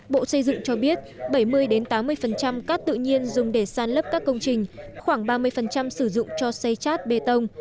bộ xây dựng cho biết bảy mươi tám mươi cát tự nhiên dùng để sàn lấp các công trình khoảng ba mươi sử dụng cho xây dựng